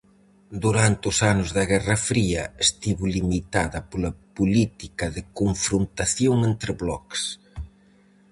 Durante os anos da "guerra fría" estivo limitada pola política de confrontación entre bloques.